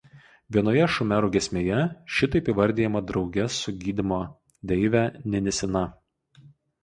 Vienoje šumerų giesmėje šitaip įvardijama drauge su gydymo deive Ninisina.